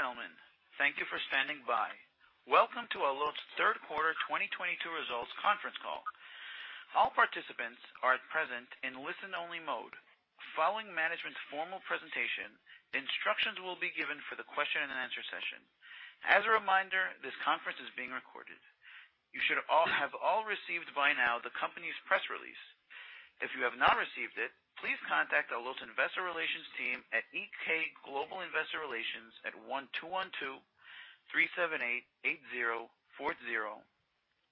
Ladies and gentlemen, thank you for standing by. Welcome to Allot's third quarter 2022 results conference call. All participants are at present in listen-only mode. Following management's formal presentation, instructions will be given for the question and answer session. As a reminder, this conference is being recorded. You should have received by now the company's press release. If you have not received it, please contact Allot's Investor Relations team at EK Global Investor Relations at 1-212-378-8040,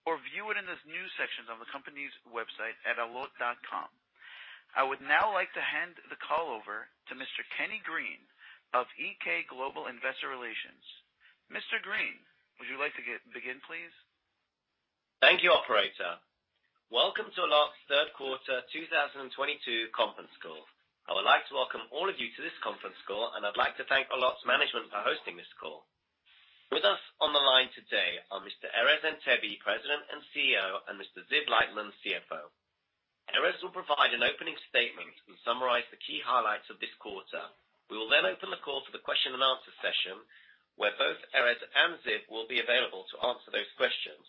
or view it in the news sections on the company's website at allot.com. I would now like to hand the call over to Mr. Kenny Green of EK Global Investor Relations. Mr. Green, would you like to begin, please? Thank you, operator. Welcome to Allot's third quarter 2022 conference call. I would like to welcome all of you to this conference call, and I'd like to thank Allot's management for hosting this call. With us on the line today are Mr. Erez Antebi, President and CEO, and Mr. Ziv Leitman, CFO. Erez will provide an opening statement and summarize the key highlights of this quarter. We will then open the call for the question and answer session, where both Erez and Ziv will be available to answer those questions.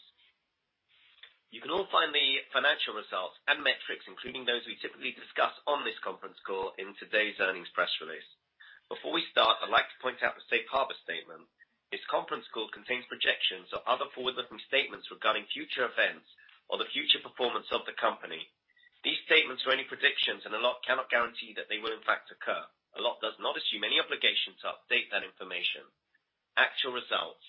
You can all find the financial results and metrics, including those we typically discuss on this conference call in today's earnings press release. Before we start, I'd like to point out the safe harbor statement. This conference call contains projections or other forward-looking statements regarding future events or the future performance of the company. These statements are only predictions, and Allot cannot guarantee that they will, in fact, occur. Allot does not assume any obligation to update that information. Actual results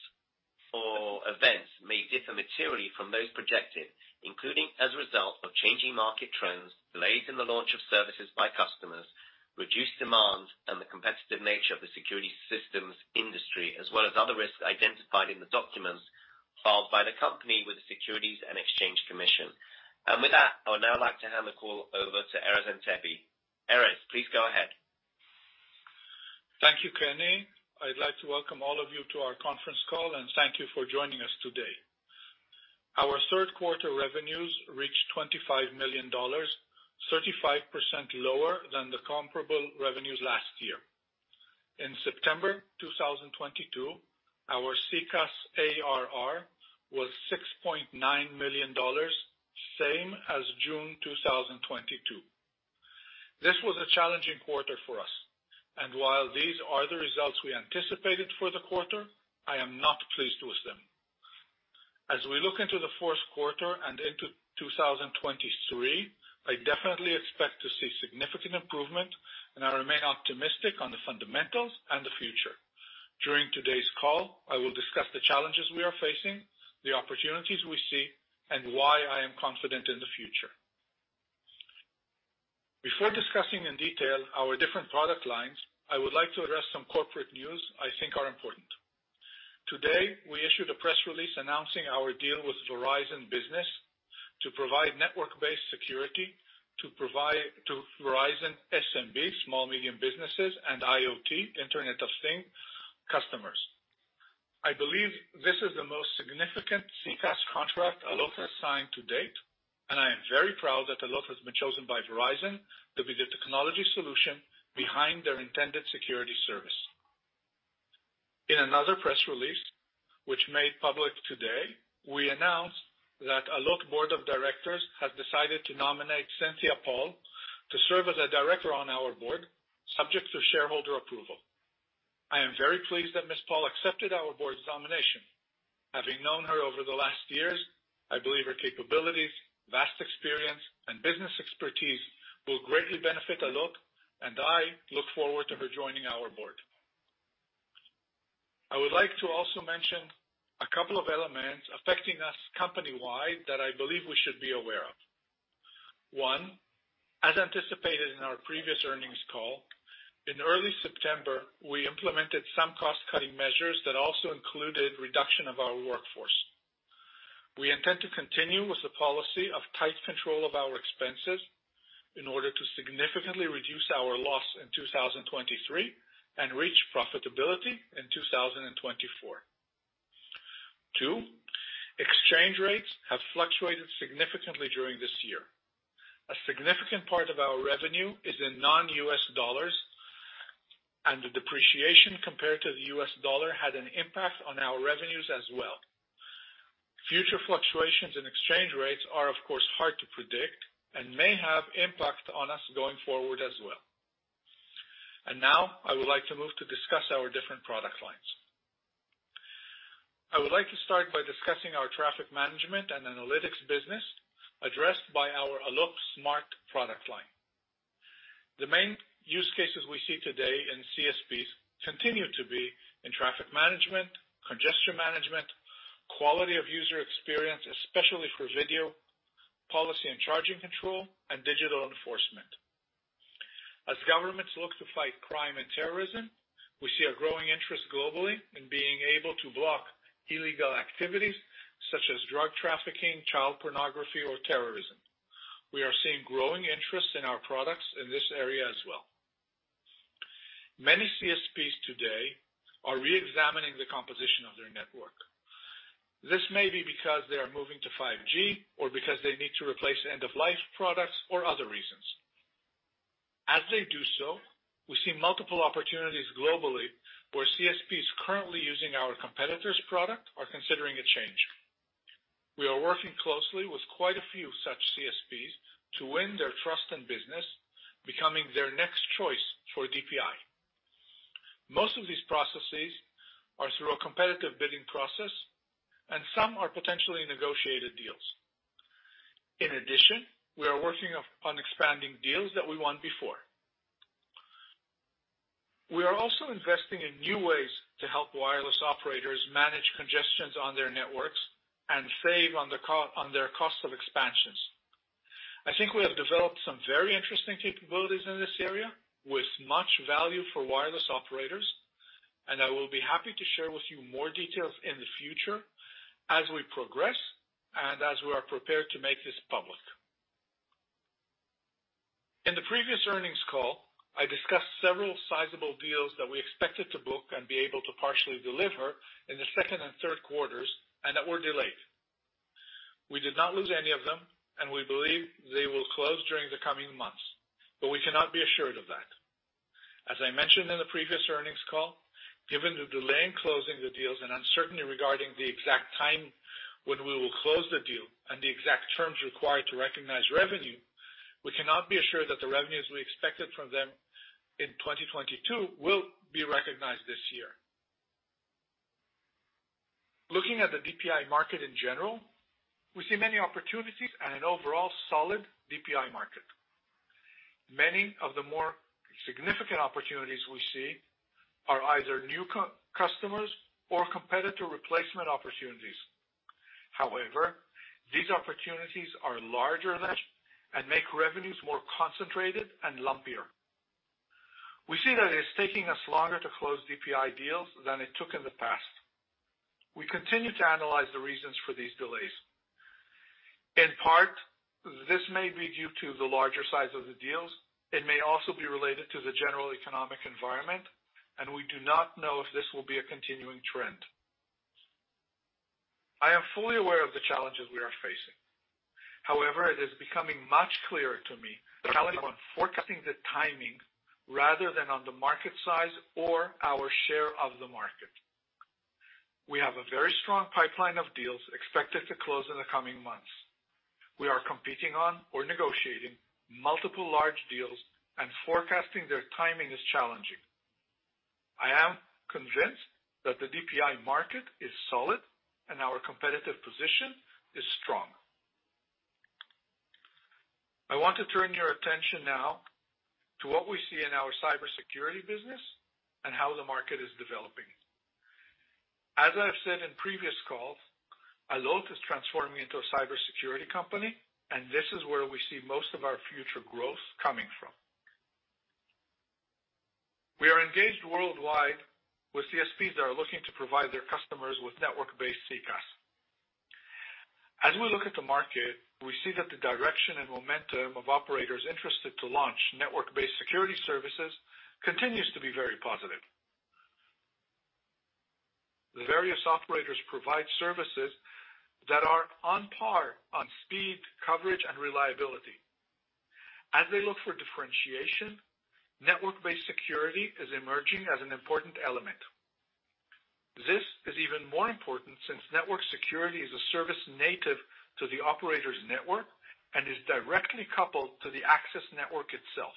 for events may differ materially from those projected, including as a result of changing market trends, delays in the launch of services by customers, reduced demand, and the competitive nature of the security systems industry, as well as other risks identified in the documents filed by the company with the Securities and Exchange Commission. With that, I would now like to hand the call over to Erez Antebi. Erez, please go ahead. Thank you, Kenny. I'd like to welcome all of you to our conference call, and thank you for joining us today. Our third quarter revenues reached $25 million, 35% lower than the comparable revenues last year. In September 2022, our CCaaS ARR was $6.9 million, same as June 2022. This was a challenging quarter for us. While these are the results we anticipated for the quarter, I am not pleased with them. As we look into the fourth quarter and into 2023, I definitely expect to see significant improvement, and I remain optimistic on the fundamentals and the future. During today's call, I will discuss the challenges we are facing, the opportunities we see, and why I am confident in the future. Before discussing in detail our different product lines, I would like to address some corporate news I think are important. Today, we issued a press release announcing our deal with Verizon Business to provide network-based security to Verizon SMB, small and medium businesses, and IoT, Internet of Things customers. I believe this is the most significant SECaaS contract Allot has signed to date, and I am very proud that Allot has been chosen by Verizon to be the technology solution behind their intended security service. In another press release, which made public today, we announced that Allot board of directors has decided to nominate Cynthia L. Paul to serve as a director on our board, subject to shareholder approval. I am very pleased that Ms. Paul accepted our board's nomination. Having known her over the last years, I believe her capabilities, vast experience, and business expertise will greatly benefit Allot, and I look forward to her joining our board. I would like to also mention a couple of elements affecting us company-wide that I believe we should be aware of. One, as anticipated in our previous earnings call, in early September, we implemented some cost-cutting measures that also included reduction of our workforce. We intend to continue with the policy of tight control of our expenses in order to significantly reduce our loss in 2023, and reach profitability in 2024. Two, exchange rates have fluctuated significantly during this year. A significant part of our revenue is in non-US dollars, and the depreciation compared to the US dollar had an impact on our revenues as well. Future fluctuations in exchange rates are, of course, hard to predict and may have impact on us going forward as well. Now I would like to move to discuss our different product lines. I would like to start by discussing our traffic management and analytics business addressed by our Allot Smart product line. The main use cases we see today in CSPs continue to be in traffic management, congestion management, quality of user experience, especially for video, policy and charging control, and digital enforcement. As governments look to fight crime and terrorism, we see a growing interest globally in being able to block illegal activities such as drug trafficking, child pornography, or terrorism. We are seeing growing interest in our products in this area as well. Many CSPs today are reexamining the composition of their. This may be because they are moving to 5G or because they need to replace end-of-life products or other reasons. As they do so, we see multiple opportunities globally where CSPs currently using our competitor's product are considering a change. We are working closely with quite a few such CSPs to win their trust and business, becoming their next choice for DPI. Most of these processes are through a competitive bidding process, and some are potentially negotiated deals. In addition, we are working on expanding deals that we won before. We are also investing in new ways to help wireless operators manage congestions on their networks and save on the cost of expansions. I think we have developed some very interesting capabilities in this area with much value for wireless operators, and I will be happy to share with you more details in the future as we progress and as we are prepared to make this public. In the previous earnings call, I discussed several sizable deals that we expected to book and be able to partially deliver in the second and third quarters, and that were delayed. We did not lose any of them, and we believe they will close during the coming months, but we cannot be assured of that. As I mentioned in the previous earnings call, given the delay in closing the deals and uncertainty regarding the exact time when we will close the deal and the exact terms required to recognize revenue, we cannot be assured that the revenues we expected from them in 2022 will be recognized this year. Looking at the DPI market in general, we see many opportunities and an overall solid DPI market. Many of the more significant opportunities we see are either new customers or competitor replacement opportunities. However, these opportunities are larger niche and make revenues more concentrated and lumpier. We see that it's taking us longer to close DPI deals than it took in the past. We continue to analyze the reasons for these delays. In part, this may be due to the larger size of the deals. It may also be related to the general economic environment, and we do not know if this will be a continuing trend. I am fully aware of the challenges we are facing. However, it is becoming much clearer to me, the challenge on forecasting the timing rather than on the market size or our share of the market. We have a very strong pipeline of deals expected to close in the coming months. We are competing on or negotiating multiple large deals, and forecasting their timing is challenging. I am convinced that the DPI market is solid and our competitive position is strong. I want to turn your attention now to what we see in our cybersecurity business and how the market is developing. As I've said in previous calls, Allot is transforming into a cybersecurity company, and this is where we see most of our future growth coming from. We are engaged worldwide with CSPs that are looking to provide their customers with network-based SECaaS. As we look at the market, we see that the direction and momentum of operators interested to launch network-based security services continues to be very positive. The various operators provide services that are on par on speed, coverage, and reliability. As they look for differentiation, network-based security is emerging as an important element. This is even more important since network security is a service native to the operator's network and is directly coupled to the access network itself.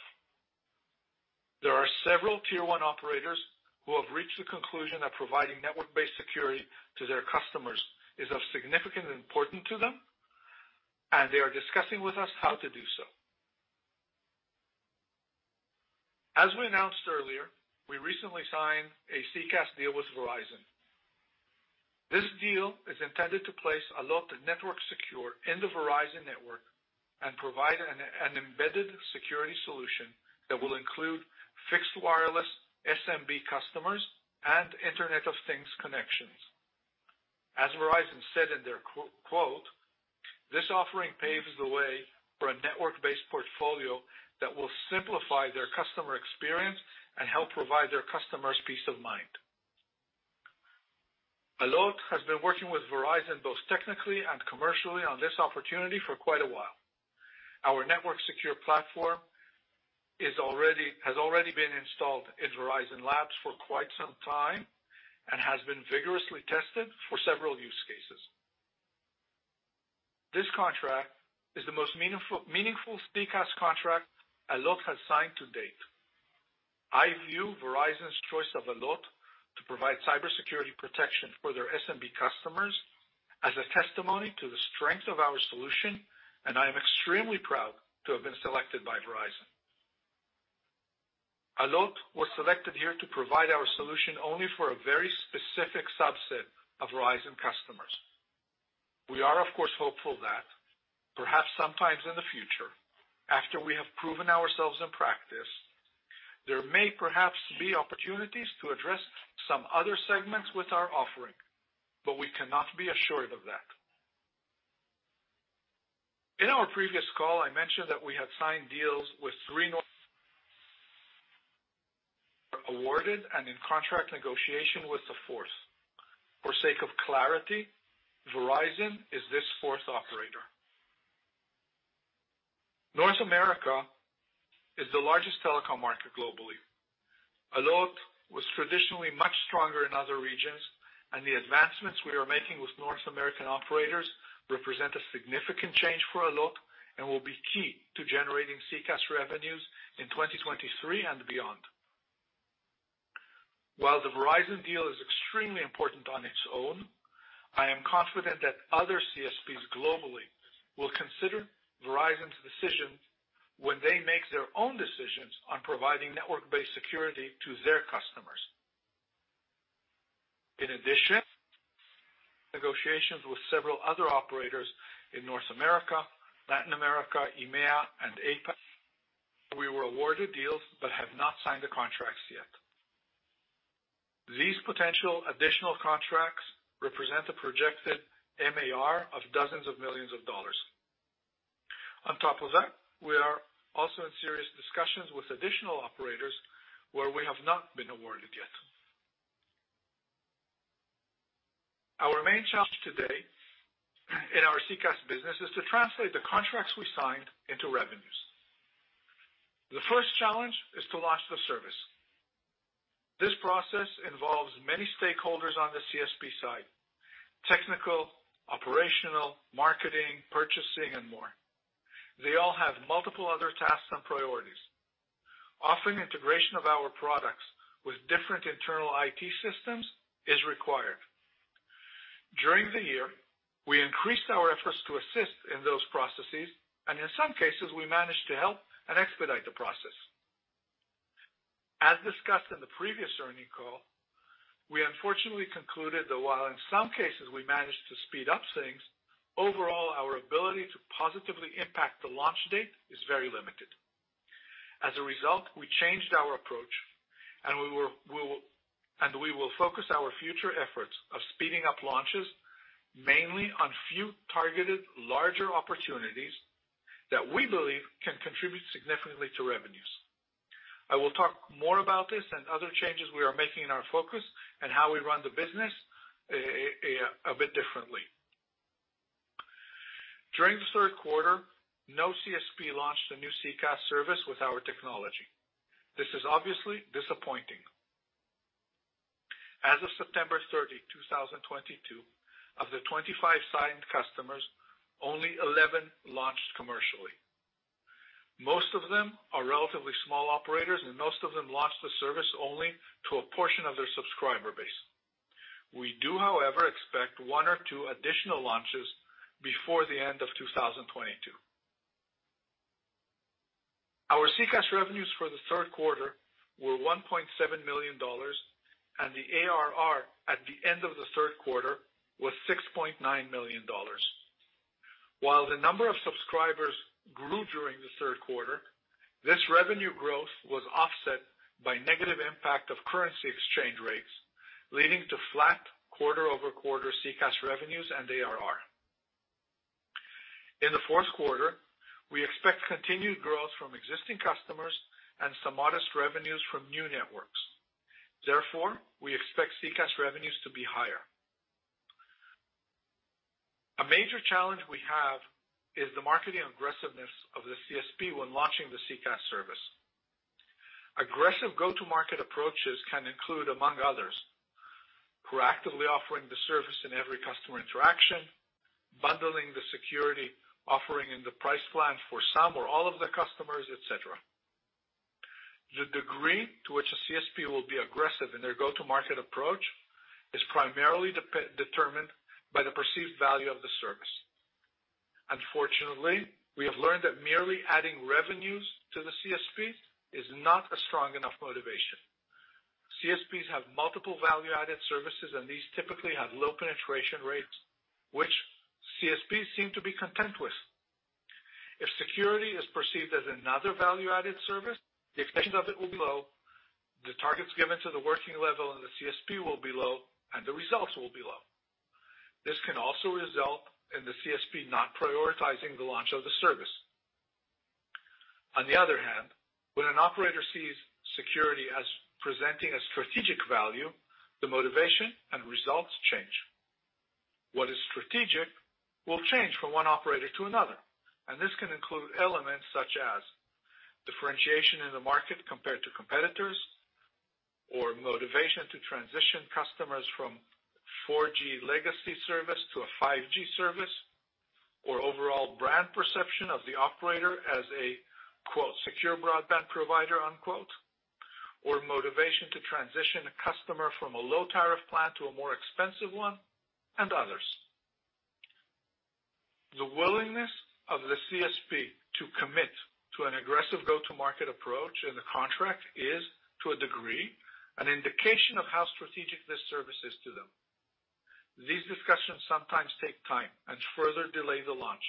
There are several tier one operators who have reached the conclusion that providing network-based security to their customers is of significant importance to them, and they are discussing with us how to do so. As we announced earlier, we recently signed a SECaaS deal with Verizon. This deal is intended to place Allot NetworkSecure in the Verizon network and provide an embedded security solution that will include fixed wireless SMB customers and Internet of Things connections. As Verizon said in their quote, "This offering paves the way for a network-based portfolio that will simplify their customer experience and help provide their customers peace of mind." Allot has been working with Verizon both technically and commercially on this opportunity for quite a while. Our NetworkSecure platform has already been installed in Verizon labs for quite some time and has been vigorously tested for several use cases. This contract is the most meaningful SECaaS contract Allot has signed to date. I view Verizon's choice of Allot to provide cybersecurity protection for their SMB customers as a testimony to the strength of our solution, and I am extremely proud to have been selected by Verizon. Allot was selected here to provide our solution only for a very specific subset of Verizon customers. We are, of course, hopeful that perhaps sometimes in the future, after we have proven ourselves in practice, there may perhaps be opportunities to address some other segments with our offering, but we cannot be assured of that. In our previous call, I mentioned that we had signed deals with three North American and in contract negotiation with the fourth. For sake of clarity, Verizon is this fourth operator. North America is the largest telecom market globally. Allot was traditionally much stronger in other regions, and the advancements we are making with North American operators represent a significant change for Allot and will be key to generating SECaaS revenues in 2023 and beyond. While the Verizon deal is extremely important on its own, I am confident that other CSPs globally will consider Verizon's decision when they make their own decisions on providing network-based security to their customers. In addition, negotiations with several other operators in North America, Latin America, EMEA, and APAC, we were awarded deals but have not signed the contracts yet. These potential additional contracts represent a projected MAR of $ dozens of millions. On top of that, we are also in serious discussions with additional operators where we have not been awarded yet. Our main challenge today in our SECaaS business is to translate the contracts we signed into revenues. The first challenge is to launch the service. This process involves many stakeholders on the CSP side, technical, operational, marketing, purchasing, and more. They all have multiple other tasks and priorities. Often, integration of our products with different internal IT systems is required. During the year, we increased our efforts to assist in those processes, and in some cases, we managed to help and expedite the process. As discussed in the previous earnings call, we unfortunately concluded that while in some cases we managed to speed up things, overall, our ability to positively impact the launch date is very limited. As a result, we changed our approach, and we will focus our future efforts on speeding up launches mainly on few targeted, larger opportunities that we believe can contribute significantly to revenues. I will talk more about this and other changes we are making in our focus and how we run the business a bit differently. During the third quarter, no CSP launched a new CCaaS service with our technology. This is obviously disappointing. As of September 30, 2022, of the 25 signed customers, only 11 launched commercially. Most of them are relatively small operators, and most of them launched the service only to a portion of their subscriber base. We do, however, expect 1 or 2 additional launches before the end of 2022. Our CCaaS revenues for the third quarter were $1.7 million, and the ARR at the end of the third quarter was $6.9 million. While the number of subscribers grew during the third quarter, this revenue growth was offset by negative impact of currency exchange rates, leading to flat quarter-over-quarter CCaaS revenues and ARR. In the fourth quarter, we expect continued growth from existing customers and some modest revenues from new networks. Therefore, we expect CCaaS revenues to be higher. A major challenge we have is the marketing aggressiveness of the CSP when launching the CCaaS service. Aggressive go-to-market approaches can include, among others, proactively offering the service in every customer interaction, bundling the security offering in the price plan for some or all of the customers, et cetera. The degree to which a CSP will be aggressive in their go-to-market approach is primarily determined by the perceived value of the service. Unfortunately, we have learned that merely adding revenues to the CSP is not a strong enough motivation. CSPs have multiple value-added services, and these typically have low penetration rates, which CSPs seem to be content with. If security is perceived as another value-added service, the expectation of it will be low, the targets given to the working level and the CSP will be low, and the results will be low. This can also result in the CSP not prioritizing the launch of the service. On the other hand, when an operator sees security as presenting a strategic value, the motivation and results change. What is strategic will change from one operator to another, and this can include elements such as differentiation in the market compared to competitors or motivation to transition customers from 4G legacy service to a 5G service, or overall brand perception of the operator as a "secure broadband provider," or motivation to transition a customer from a low-tariff plan to a more expensive one, and others. The willingness of the CSP to commit to an aggressive go-to-market approach in the contract is, to a degree, an indication of how strategic this service is to them. These discussions sometimes take time and further delay the launch,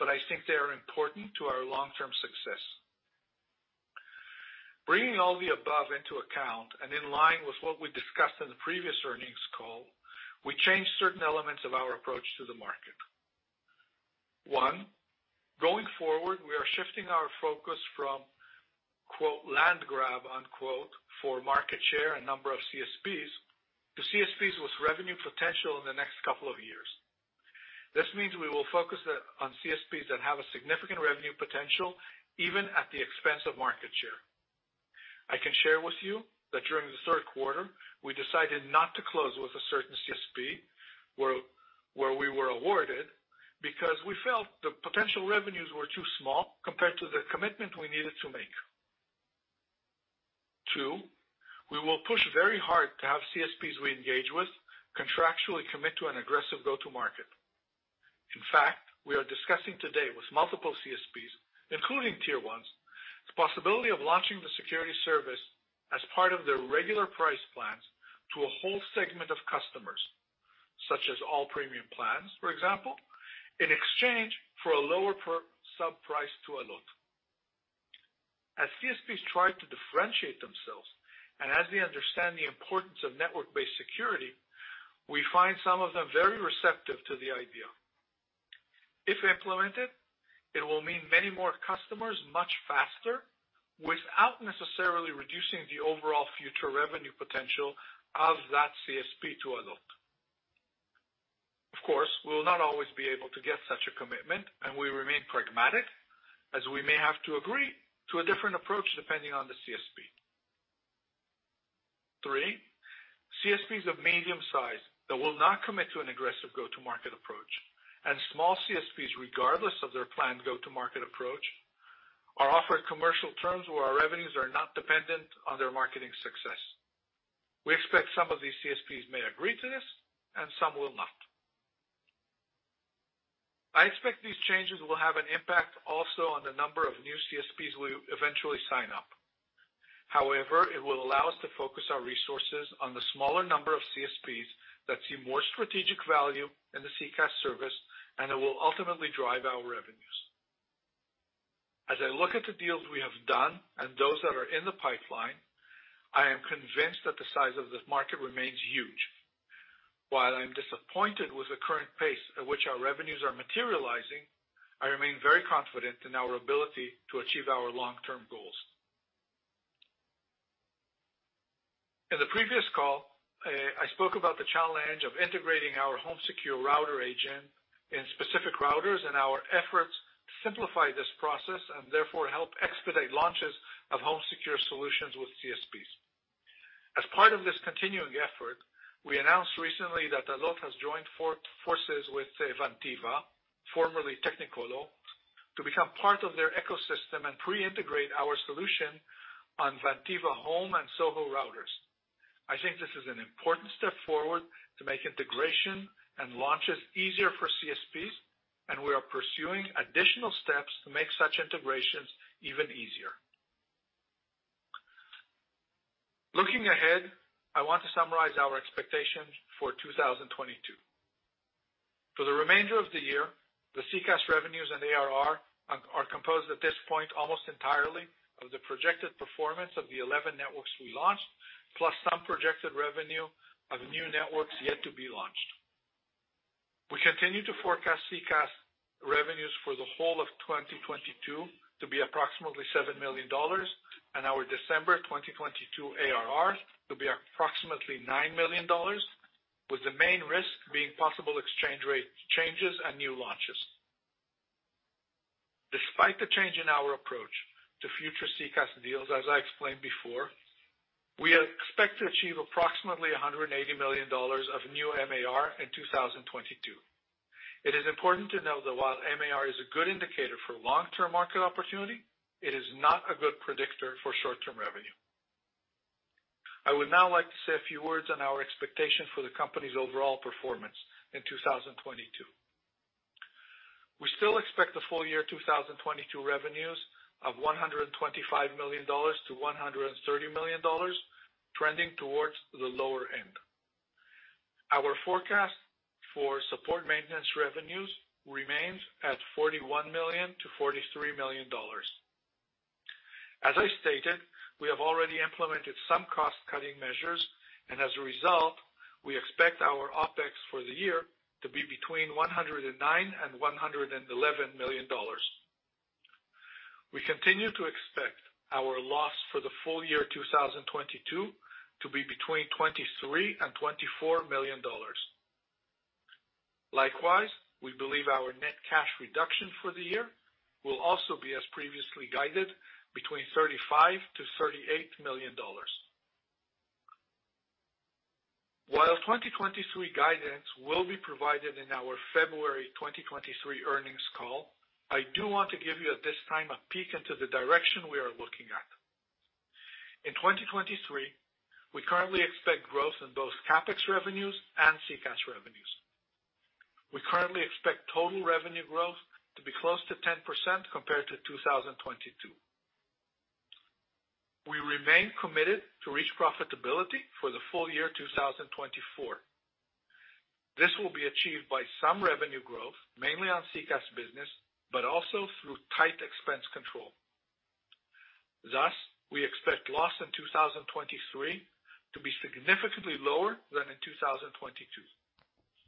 but I think they are important to our long-term success. Bringing all the above into account and in line with what we discussed in the previous earnings call, we changed certain elements of our approach to the market. 1, going forward, we are shifting our focus from “land grab” for market share and number of CSPs to CSPs with revenue potential in the next couple of years. This means we will focus on CSPs that have a significant revenue potential, even at the expense of market share. I can share with you that during the third quarter, we decided not to close with a certain CSP where we were awarded because we felt the potential revenues were too small compared to the commitment we needed to make. 2, we will push very hard to have CSPs we engage with contractually commit to an aggressive go-to market. In fact, we are discussing today with multiple CSPs, including tier ones, the possibility of launching the security service as part of their regular price plans to a whole segment of customers, such as all premium plans, for example, in exchange for a lower per sub price to Allot. As CSPs try to differentiate themselves and as they understand the importance of network-based security, we find some of them very receptive to the idea. If implemented, it will mean many more customers much faster, without necessarily reducing the overall future revenue potential of that CSP to Allot. Of course, we will not always be able to get such a commitment, and we remain pragmatic as we may have to agree to a different approach depending on the CSP. 3, CSPs of medium size that will not commit to an aggressive go-to-market approach, and small CSPs, regardless of their planned go-to-market approach, are offered commercial terms where our revenues are not dependent on their marketing success. We expect some of these CSPs may agree to this and some will not. I expect these changes will have an impact also on the number of new CSPs we eventually sign up. However, it will allow us to focus our resources on the smaller number of CSPs that see more strategic value in the CCaaS service, and it will ultimately drive our revenues. As I look at the deals we have done and those that are in the pipeline, I am convinced that the size of this market remains huge. While I'm disappointed with the current pace at which our revenues are materializing, I remain very confident in our ability to achieve our long-term goals. In the previous call, I spoke about the challenge of integrating our HomeSecure Router agent in specific routers and our efforts to simplify this process and therefore help expedite launches of HomeSecure solutions with CSPs. As part of this continuing effort, we announced recently that Allot has joined forces with Vantiva, formerly Technicolor, to become part of their ecosystem and pre-integrate our solution on Vantiva home and SOHO routers. I think this is an important step forward to make integration and launches easier for CSPs, and we are pursuing additional steps to make such integrations even easier. Looking ahead, I want to summarize our expectations for 2022. For the remainder of the year, the CCaaS revenues and ARR are composed at this point almost entirely of the projected performance of the 11 networks we launched, plus some projected revenue of new networks yet to be launched. We continue to forecast CCaaS revenues for the whole of 2022 to be approximately $7 million, and our December 2022 ARR to be approximately $9 million, with the main risk being possible exchange rate changes and new launches. Despite the change in our approach to future CCaaS deals, as I explained before, we expect to achieve approximately $180 million of new MRR in 2022. It is important to know that while MRR is a good indicator for long-term market opportunity, it is not a good predictor for short-term revenue. I would now like to say a few words on our expectation for the company's overall performance in 2022. We still expect the full year 2022 revenues of $125 million-$130 million, trending towards the lower end. Our forecast for support maintenance revenues remains at $41 million-$43 million. As I stated, we have already implemented some cost-cutting measures, and as a result, we expect our OpEx for the year to be between $109 million and $111 million. We continue to expect our loss for the full year 2022 to be between $23 million and $24 million. Likewise, we believe our net cash reduction for the year will also be as previously guided between $35 million-$38 million. While 2023 guidance will be provided in our February 2023 earnings call, I do want to give you at this time a peek into the direction we are looking at. In 2023, we currently expect growth in both CapEx revenues and CCaaS revenues. We currently expect total revenue growth to be close to 10% compared to 2022. We remain committed to reach profitability for the full year 2024. This will be achieved by some revenue growth, mainly on CSPs business, but also through tight expense control. Thus, we expect loss in 2023 to be significantly lower than in 2022.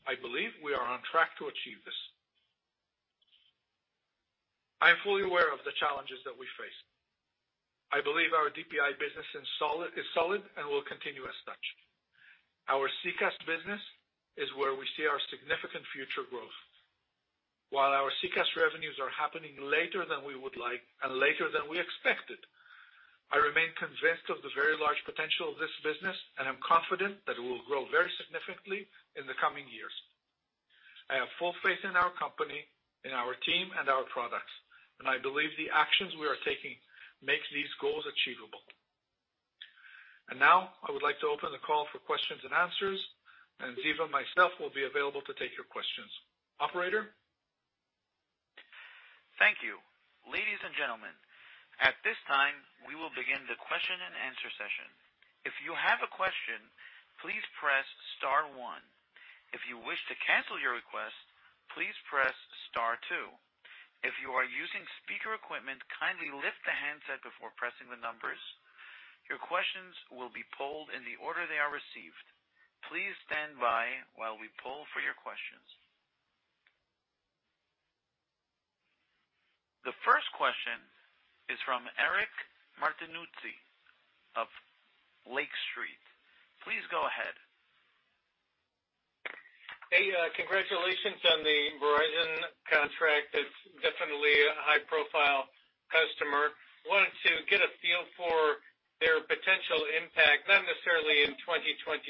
I believe we are on track to achieve this. I am fully aware of the challenges that we face. I believe our DPI business is solid and will continue as such. Our SECaaS business is where we see our significant future growth. While our SECaaS revenues are happening later than we would like and later than we expected, I remain convinced of the very large potential of this business, and I'm confident that it will grow very significantly in the coming years. I have full faith in our company, in our team and our products, and I believe the actions we are taking make these goals achievable. Now I would like to open the call for questions and answers, and Ziv and myself will be available to take your questions. Operator? Thank you. Ladies and gentlemen, at this time, we will begin the question-and-answer session. If you have a question, please press star one. If you wish to cancel your request, please press star two. If you are using speaker equipment, kindly lift the handset before pressing the numbers. Your questions will be polled in the order they are received. Please stand by while we poll for your questions. The first question is from Eric Martinuzzi of Lake Street Capital Markets. Please go ahead. Hey, congratulations on the Verizon contract. It's definitely a high-profile customer. Wanted to get a feel for their potential impact, not necessarily in 2022,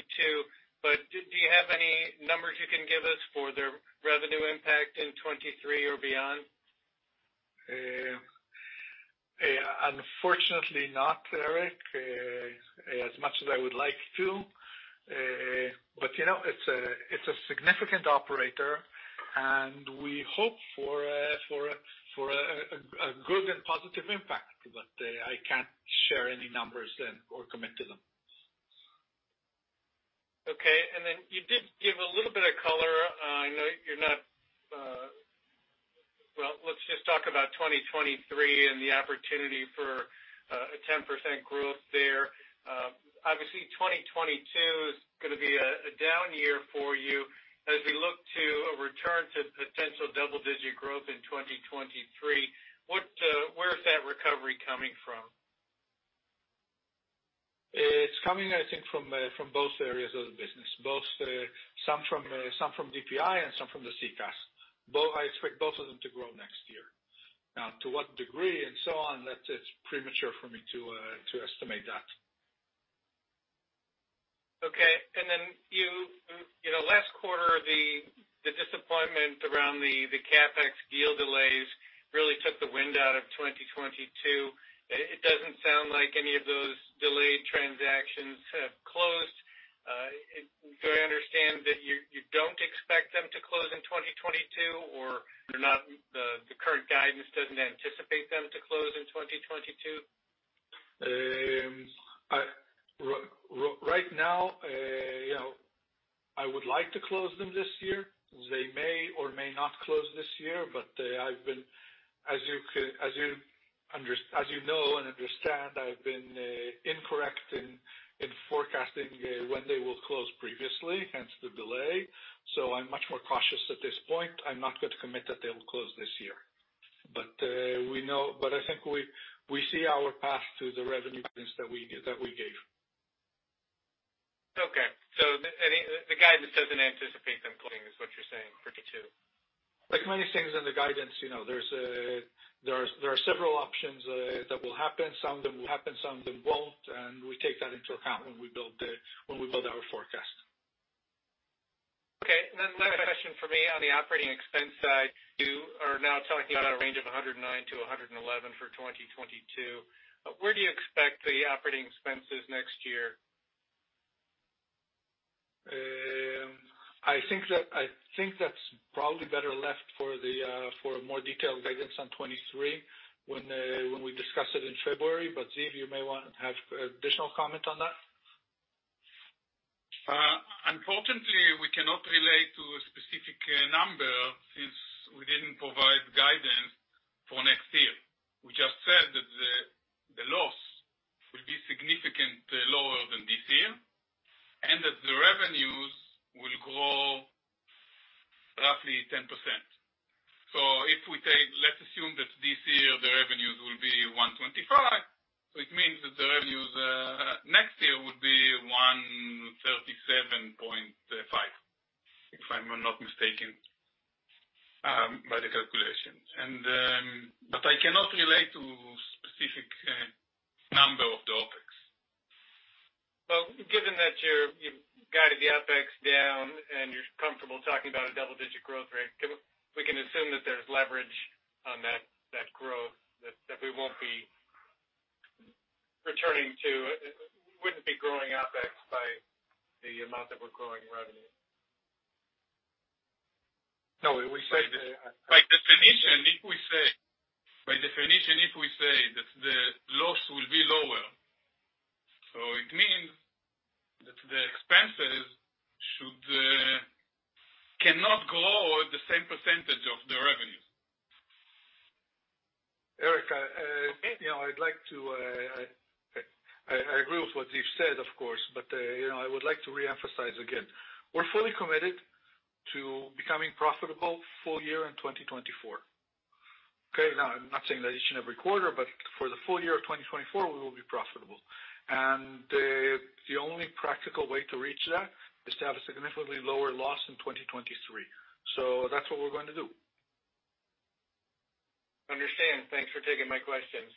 but do you have any numbers you can give us for their revenue impact in 2023 or beyond? Unfortunately not, Eric, as much as I would like to. You know, it's a significant operator, and we hope for a good and positive impact. I can't share any numbers then or commit to them. Okay. You did give a little bit of color. Well, let's just talk about 2023 and the opportunity for a 10% growth there. Obviously, 2022 is gonna be a down year for you. As we look to a return to potential double-digit growth in 2023, where is that recovery coming from? It's coming, I think, from both areas of the business, some from DPI and some from the SECaaS. I expect both of them to grow next year. Now, to what degree and so on, that it's premature for me to estimate that. Okay. You know, last quarter, the disappointment around the CapEx deal delays really took the wind out of 2022. It doesn't sound like any of those delayed transactions have closed. Do I understand that you don't expect them to close in 2022, or the current guidance doesn't anticipate them to close in 2022? Right now, you know, I would like to close them this year. They may or may not close this year, but I've been, as you know and understand, incorrect in forecasting when they will close previously, hence the delay. I'm much more cautious at this point. I'm not gonna commit that they will close this year. We know, but I think we see our path to the revenue points that we gave. The guidance doesn't anticipate them closing, is what you're saying, 2022. Like many things in the guidance, you know, there are several options that will happen. Some of them will happen, some of them won't. We take that into account when we build our forecast. Okay. Last question from me. On the operating expense side, you are now talking about a range of $109-$111 for 2022. Where do you expect the operating expenses next year? I think that's probably better left for a more detailed guidance on 2023 when we discuss it in February. Ziv, you may wanna have additional comment on that. Unfortunately, we cannot relate to a specific number since we didn't provide guidance for next year. We just said that the loss will be significantly lower than this year, and that the revenues will grow roughly 10%. If we take, let's assume that this year the revenues will be $125, which means that the revenues next year would be $137.5, if I'm not mistaken, by the calculations. I cannot relate to specific number of the OpEx. Well, given that you've guided the OpEx down and you're comfortable talking about a double-digit growth rate, can we assume that there's leverage on that growth, that we won't be growing OpEx by the amount that we're growing revenue? No, we said. By definition, if we say that the loss will be lower, so it means that the expenses should cannot grow at the same percentage of the revenues. Eric, you know, I'd like to. I agree with what Ziv said, of course, but, you know, I would like to reemphasize again. We're fully committed to becoming profitable full year in 2024. Okay? Now, I'm not saying that each and every quarter, but for the full year of 2024 we will be profitable. The only practical way to reach that is to have a significantly lower loss in 2023. That's what we're going to do. Understand. Thanks for taking my questions.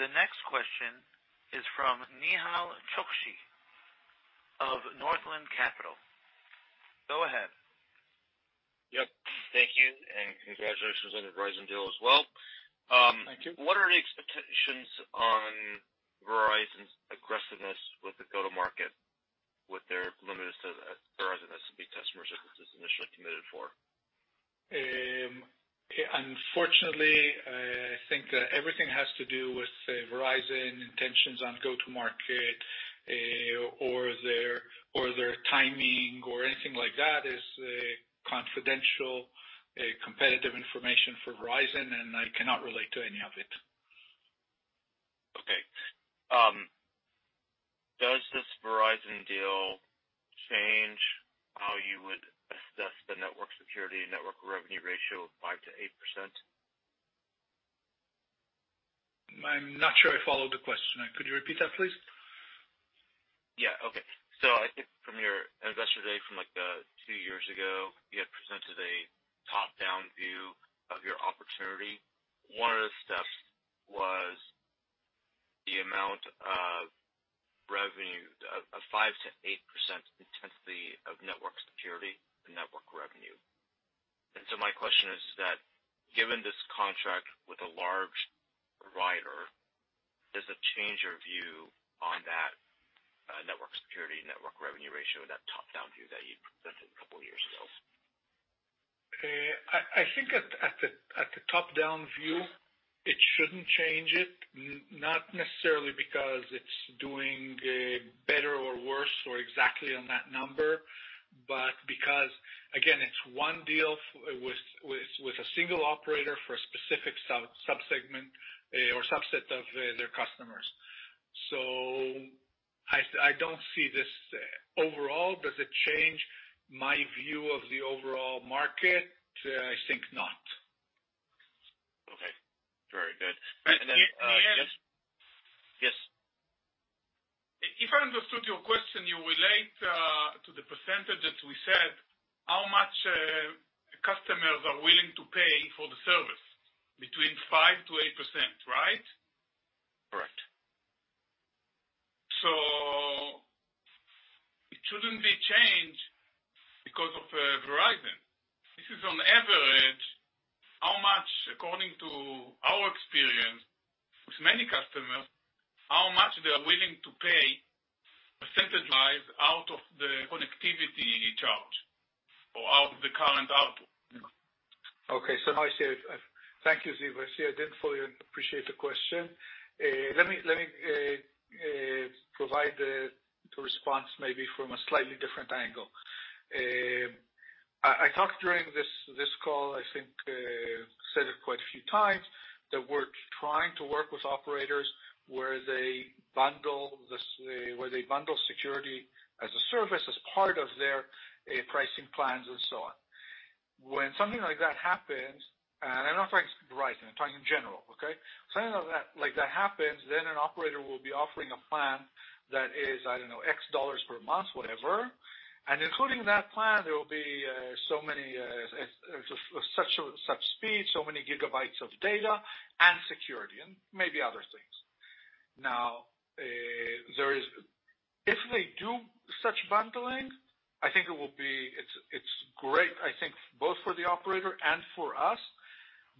The next question is from Nehal Chokshi of Northland Capital. Go ahead. Yep. Thank you, and congratulations on the Verizon deal as well. Thank you. What are the expectations on Verizon's aggressiveness with the go-to-market with their limited set of Verizon SMB customers that this is initially committed for? Unfortunately, I think that everything has to do with, say, Verizon intentions on go-to-market, or their timing or anything like that is confidential, competitive information for Verizon, and I cannot relate to any of it. Okay. Does this Verizon deal change how you would assess the network security and network revenue ratio of 5%-8%? I'm not sure I followed the question. Could you repeat that, please? Yeah. Okay. I think from your Investor Day from, like, two years ago, you had presented a top-down view of your opportunity. One of the steps was the amount of revenue of 5%-8% intensity of network security and network revenue. My question is that, given this contract with a large provider, does it change your view on that, network security, network revenue ratio, that top-down view that you'd presented a couple years ago? I think at the top-down view, it shouldn't change it, not necessarily because it's doing better or worse or exactly on that number, but because, again, it's one deal with a single operator for a specific subsegment or subset of their customers. I don't see this. Overall, does it change my view of the overall market? I think not. Okay, very good. Can I- Yes? Nihal. Yes. If I understood your question, you relate to the percentage that we said, how much customers are willing to pay for the service between 5%-8%, right? Correct. It shouldn't be changed because of Verizon. This is on average, how much, according to our experience with many customers, how much they are willing to pay percentage-wise out of the connectivity charge or out of the current output. Now I see. Thank you, Ziv. I see. I didn't fully appreciate the question. Let me provide the response maybe from a slightly different angle. I talked during this call, I think, said it quite a few times, that we're trying to work with operators where they bundle security as a service, as part of their pricing plans and so on. When something like that happens, and I'm not talking specific to Verizon, I'm talking in general, okay? Something like that happens, then an operator will be offering a plan that is, I don't know, $X per month, whatever. Including that plan, there will be so many such speed, so many gigabytes of data and security and maybe other things. If they do such bundling, I think it will be great, I think, both for the operator and for us,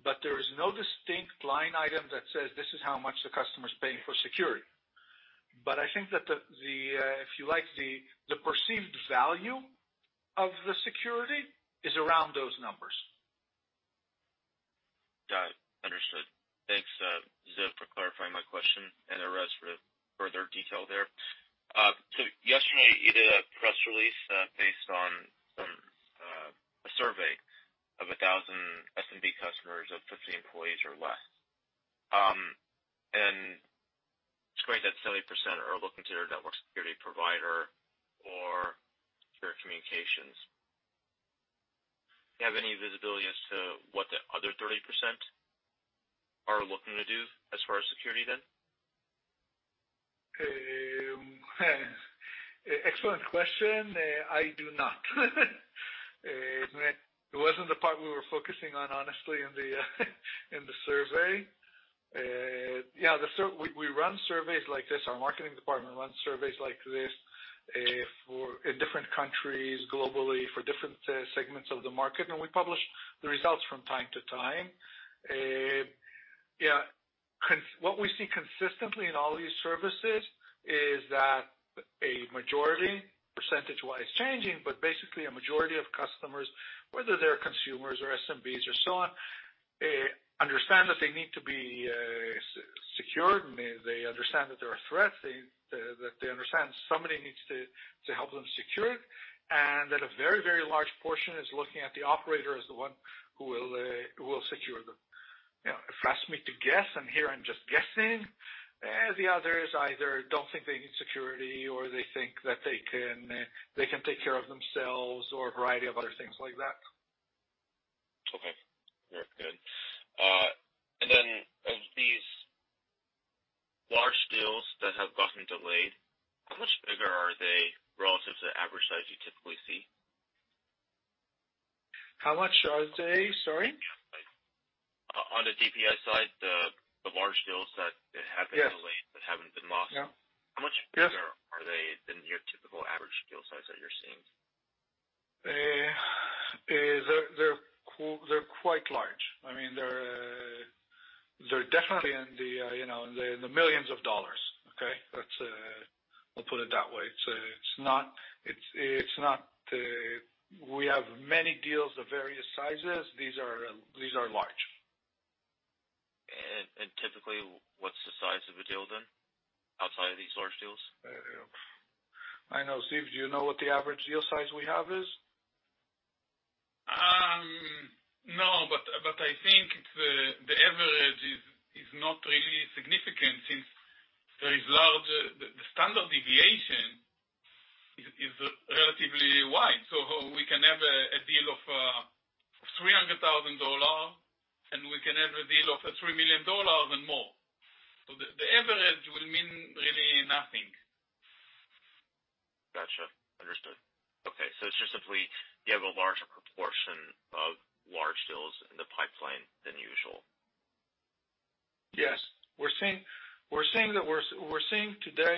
but there is no distinct line item that says this is how much the customer is paying for security. I think that if you like, the perceived value of the security is around those numbers. Got it. Understood. Thanks, Ziv, for clarifying my question and Erez for the further detail there. Yesterday you did a press release based on a survey of 1,000 SMB customers of 50 employees or less. It's great that 70% are looking to their network security provider or your communications. Do you have any visibility as to what the other 30% are looking to do as far as security then? Excellent question. I do not. It wasn't the part we were focusing on, honestly, in the survey. We run surveys like this. Our marketing department runs surveys like this, for, in different countries globally, for different segments of the market, and we publish the results from time to time. What we see consistently in all these services is that a majority, percentage-wise changing, but basically a majority of customers, whether they're consumers or SMBs or so on, understand that they need to be secured, and they understand that there are threats, they understand somebody needs to help them secure it. A very, very large portion is looking at the operator as the one who will secure them. You know, if you ask me to guess, and here I'm just guessing, the others either don't think they need security or they think that they can take care of themselves or a variety of other things like that. Okay. Yeah. Good. Of these large deals that have gotten delayed, how much bigger are they relative to the average size you typically see? How much are they? Sorry. On the DPI side, the large deals that have been. Yes. delayed that haven't been lost. Yeah. How much bigger are they than your typical average deal size that you're seeing? They're quite large. I mean, they're definitely in the, you know, in the millions of dollars. Okay? That's. I'll put it that way. It's not. We have many deals of various sizes. These are large. Typically, what's the size of a deal then outside of these large deals? I don't know. I know. Ziv, do you know what the average deal size we have is? No, I think it's the average is not really significant since there is large the standard deviation is relatively wide. We can have a deal of $300,000, and we can have a deal of $3 million and more. The average will mean really nothing. Gotcha. Understood. Okay. It's just simply you have a larger proportion of large deals in the pipeline than usual. Yes. We're seeing today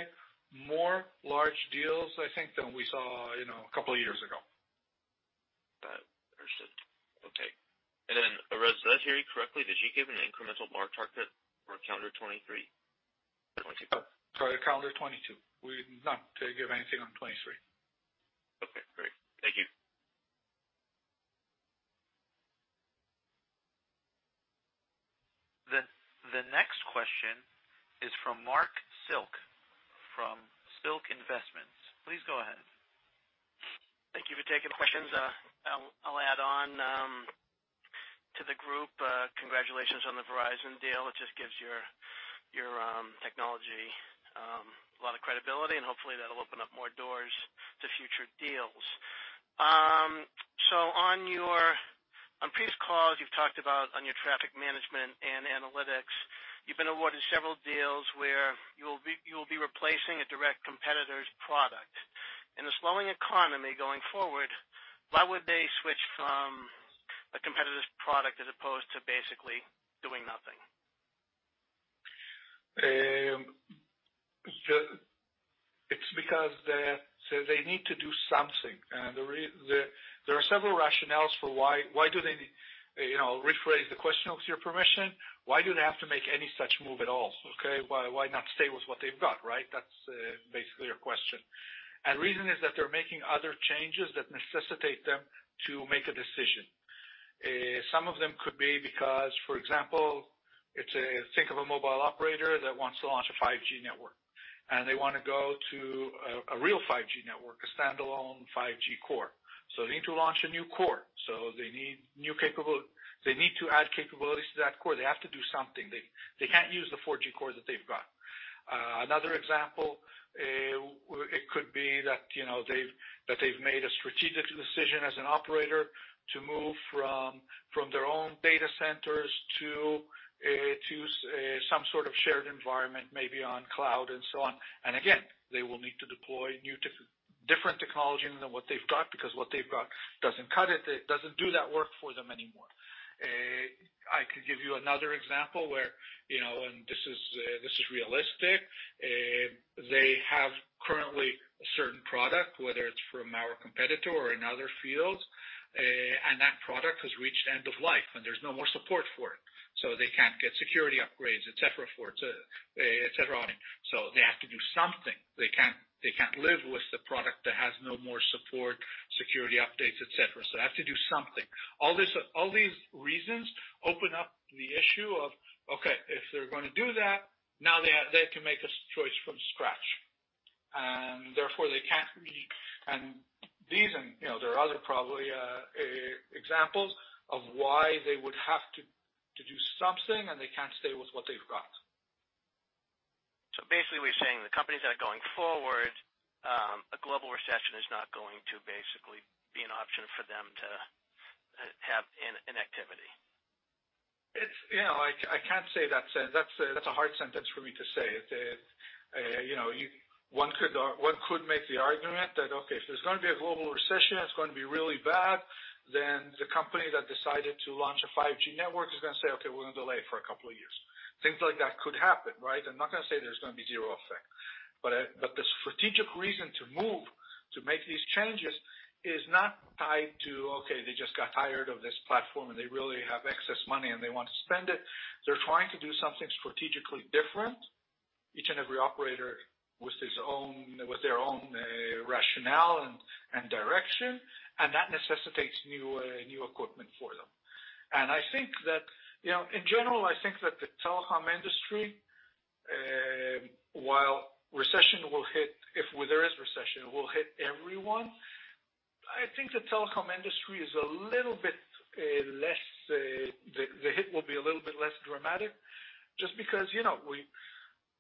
more large deals, I think, than we saw, you know, a couple of years ago. Got it. Understood. Okay. Erez, did I hear you correctly? Did you give an incremental bar target for calendar 2023? 2022. Sorry, calendar 2022. We did not give anything on 2023. Okay, great. Thank you. The next question is from Marc Silk from Silk Investments. Please go ahead. Thank you for taking questions. I'll add on to the group, congratulations on the Verizon deal. It just gives your technology a lot of credibility, and hopefully that'll open up more doors to future deals. On previous calls, you've talked about on your traffic management and analytics, you've been awarded several deals where you'll be replacing a direct competitor's product. In a slowing economy going forward, why would they switch from a competitor's product as opposed to basically doing nothing? It's because they need to do something. There are several rationales for why do they, you know, rephrase the question with your permission, why do they have to make any such move at all? Okay, why not stay with what they've got, right? That's basically your question. Reason is that they're making other changes that necessitate them to make a decision. Some of them could be because, for example, think of a mobile operator that wants to launch a 5G network, and they wanna go to a real 5G network, a standalone 5G core. They need to launch a new core. They need to add capabilities to that core. They have to do something. They can't use the 4G core that they've got. Another example, it could be that, you know, they've made a strategic decision as an operator to move from their own data centers to some sort of shared environment, maybe on cloud and so on. Again, they will need to deploy different technologies than what they've got because what they've got doesn't cut it. It doesn't do that work for them anymore. I could give you another example where, you know, this is realistic. They have currently a certain product, whether it's from our competitor or in other fields, and that product has reached end of life, and there's no more support for it. They can't get security upgrades, et cetera, for it, et cetera. They have to do something. They can't live with the product that has no more support, security updates, et cetera. They have to do something. All these reasons open up the issue of, okay, if they're gonna do that, now they can make a choice from scratch. You know, there are probably other examples of why they would have to do something, and they can't stay with what they've got. Basically, we're saying the companies that are going forward, a global recession is not going to basically be an option for them to have inactivity. I can't say that. That's a hard sentence for me to say. One could make the argument that, okay, if there's gonna be a global recession, it's gonna be really bad, then the company that decided to launch a 5G network is gonna say, "Okay, we're gonna delay it for a couple of years." Things like that could happen, right? I'm not gonna say there's gonna be zero effect. The strategic reason to move to make these changes is not tied to, okay, they just got tired of this platform, and they really have excess money, and they want to spend it. They're trying to do something strategically different. Each and every operator with their own rationale and direction, and that necessitates new equipment for them. I think that, you know, in general, I think that the telecom industry, while recession will hit, if there is recession, will hit everyone. I think the telecom industry is a little bit less, the hit will be a little bit less dramatic just because, you know,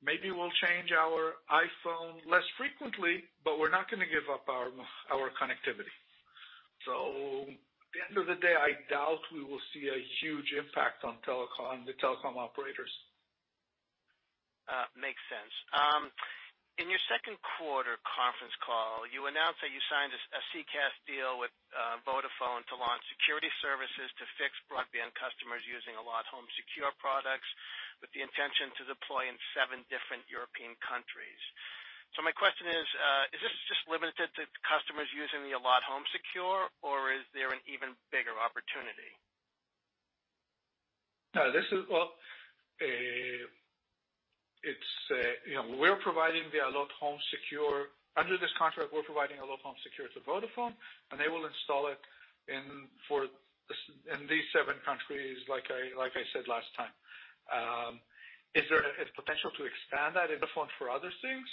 maybe we'll change our iPhone less frequently, but we're not gonna give up our connectivity. At the end of the day, I doubt we will see a huge impact on telecom, the telecom operators. Makes sense. In your second quarter conference call, you announced that you signed a SECaaS deal with Vodafone to launch security services to fixed broadband customers using Allot HomeSecure products, with the intention to deploy in seven different European countries. My question is this just limited to customers using the Allot HomeSecure, or is there an even bigger opportunity? Well, you know, we're providing the Allot HomeSecure. Under this contract, we're providing Allot HomeSecure to Vodafone, and they will install it in these seven countries like I said last time. Is there a potential to expand that in the future for other things?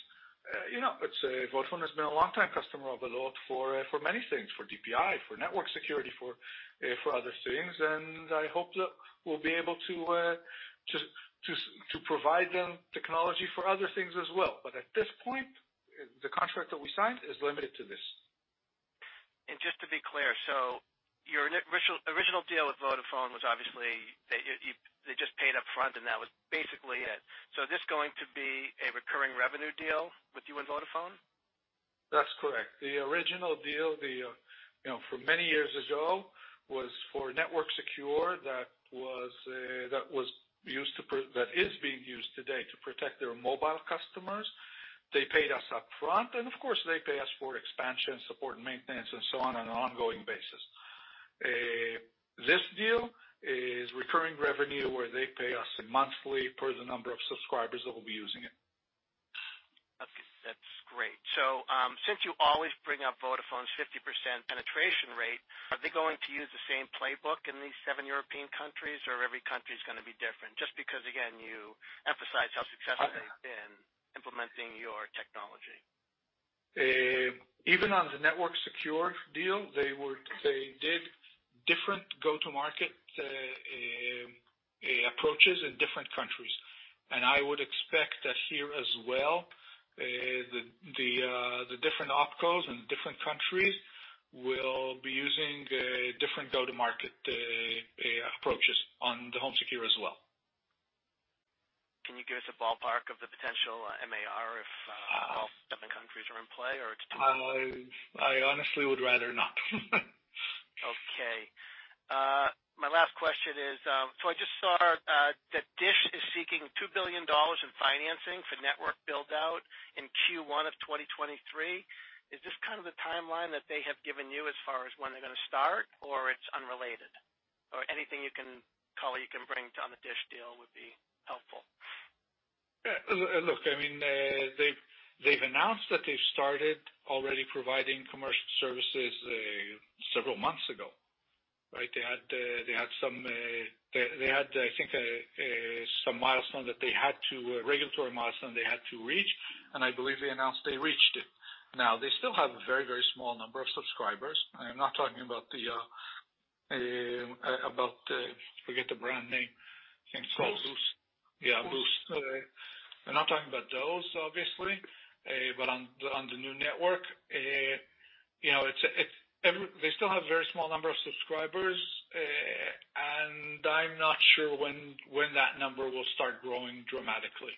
You know, I'd say Vodafone has been a long-time customer of Allot for many things, for DPI, for network security, for other things. I hope that we'll be able to provide them technology for other things as well. At this point, the contract that we signed is limited to this. Just to be clear, your original deal with Vodafone was obviously they just paid up front, and that was basically it. Is this going to be a recurring revenue deal with you and Vodafone? That's correct. The original deal, you know, from many years ago, was for NetworkSecure that is being used today to protect their mobile customers. They paid us up front. Of course, they pay us for expansion, support and maintenance and so on an ongoing basis. This deal is recurring revenue where they pay us monthly per the number of subscribers that will be using it. Okay. That's great. Since you always bring up Vodafone's 50% penetration rate, are they going to use the same playbook in these seven European countries, or every country is gonna be different? Just because, again, you emphasize how successful they've been implementing your technology. Even on the NetworkSecure deal, they did different go-to-market approaches in different countries. I would expect that here as well, the different opcos in different countries will be using different go-to-market approaches on the HomeSecure as well. Can you give us a ballpark of the potential MAR if all seven countries are in play or it's too? I honestly would rather not. Okay. My last question is, so I just saw that DISH is seeking $2 billion in financing for network build-out in Q1 of 2023. Is this kind of the timeline that they have given you as far as when they're gonna start or it's unrelated? Or anything you can, Kali, bring to bear on the DISH deal would be helpful. Yeah. Look, I mean, they've announced that they've started already providing commercial services, several months ago, right? They had some regulatory milestone they had to reach, and I believe they announced they reached it. Now, they still have a very, very small number of subscribers. I'm not talking about the. I forget the brand name. I think it's called Boost. Boost. Yeah, Boost. We're not talking about those, obviously. On the new network, you know, they still have a very small number of subscribers. I'm not sure when that number will start growing dramatically.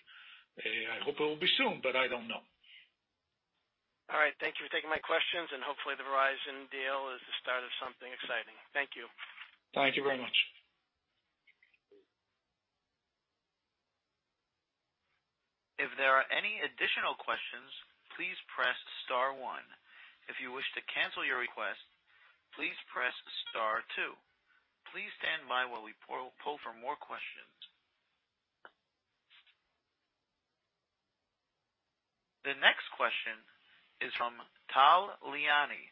I hope it will be soon, but I don't know. All right. Thank you for taking my questions, and hopefully, the Verizon deal is the start of something exciting. Thank you. Thank you very much. If there are any additional questions, please press star one. If you wish to cancel your request, please press star two. Please stand by while we poll for more questions. The next question is from Tal Liani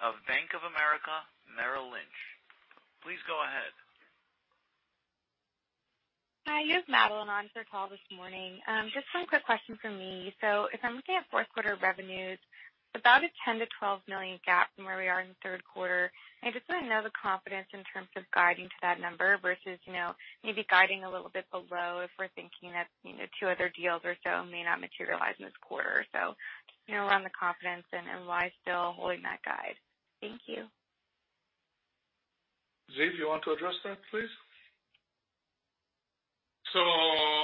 of Bank of America Merrill Lynch. Please go ahead. Hi, you have Madeline on for the call this morning. Just one quick question from me. If I'm looking at fourth quarter revenues, about a $10-$12 million gap from where we are in the third quarter, I just wanna know the confidence in terms of guiding to that number versus, you know, maybe guiding a little bit below if we're thinking that, you know, 2 other deals or so may not materialize in this quarter. You know, around the confidence and why still holding that guide. Thank you. Ziv, you want to address that, please? Our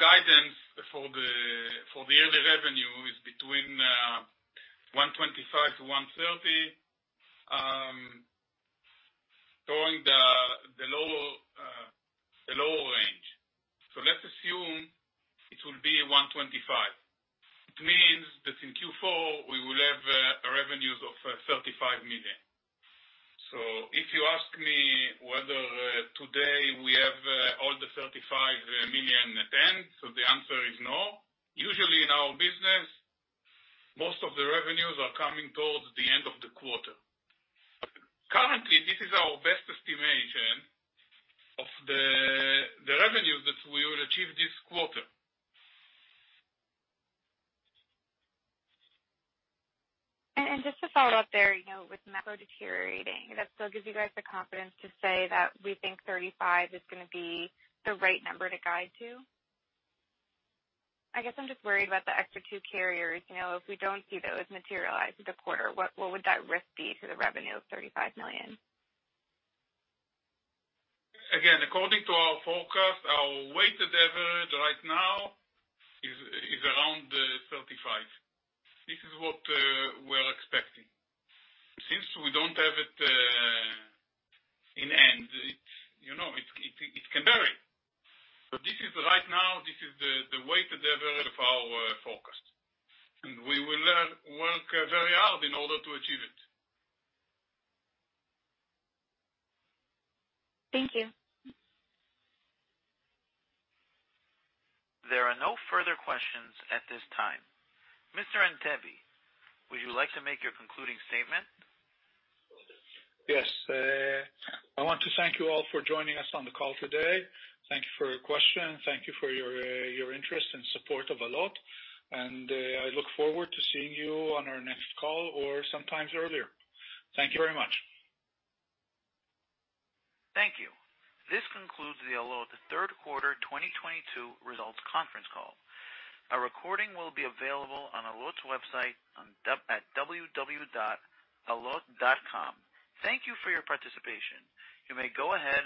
guidance for the yearly revenue is between. A lower range. Let's assume it will be $125 million. It means that in Q4 we will have revenues of $35 million. If you ask me whether today we have all the $35 million in hand, so the answer is no. Usually in our business, most of the revenues are coming towards the end of the quarter. Currently, this is our best estimation of the revenue that we will achieve this quarter. Just to follow up there, you know, with macro deteriorating, that still gives you guys the confidence to say that we think 35 is gonna be the right number to guide to? I guess I'm just worried about the extra two carriers. You know, if we don't see those materialize through the quarter, what would that risk be to the revenue of $35 million? Again, according to our forecast, our weighted average right now is around 35. This is what we're expecting. Since we don't have it in hand, you know, it can vary. This is right now the weighted average of our forecast, and we will work very hard in order to achieve it. Thank you. There are no further questions at this time. Mr. Antebi, would you like to make your concluding statement? Yes. I want to thank you all for joining us on the call today. Thank you for your question. Thank you for your interest and support of Allot, and I look forward to seeing you on our next call or sometimes earlier. Thank you very much. Thank you. This concludes the Allot third quarter 2022 results conference call. A recording will be available on Allot's website at www.allot.com. Thank you for your participation. You may go ahead and disconnect your lines.